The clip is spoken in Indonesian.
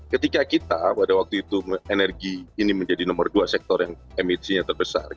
ketika kita pada waktu itu energi ini menjadi nomor dua sektor yang emisinya terbesar